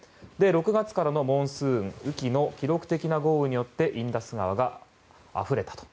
６月からのモンスーン、雨季の記録的な豪雨によってインダス川があふれたと。